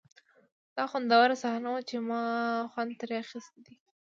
دا خوندوره صحنه وه چې ما خوند ترې اخیستی دی